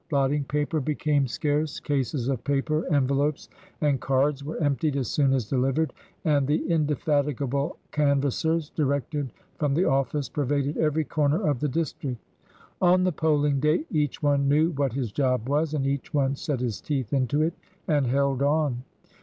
blotting paper became 324 TRANSITION. scarce, cases of paper, envelopes, and cards were emptied as soon as delivered, and the indefatigable canvassers, directed from the office, pervaded every corner of the district. On the polling day each one knew what his job was, and each one set his teeth into it and held on.